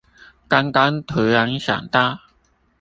剛剛突然想到